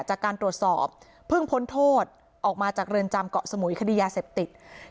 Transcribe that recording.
จากการตรวจสอบเพิ่งพ้นโทษออกมาจากเรือนจำเกาะสมุยคดียาเสพติด